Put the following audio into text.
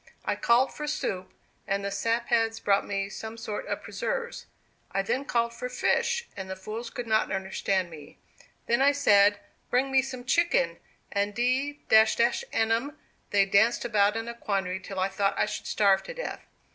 I called for soup, and the sap heads brought me some sort of preserves. I then called for fish, and the fools could not understand me. Then I said, 'Bring me some chicken,' and d n 'em, they danced about in a quandary till I thought I should starve to death.